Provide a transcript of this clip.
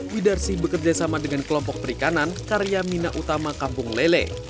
widarsi bekerjasama dengan kelompok perikanan karya mina utama kampung lele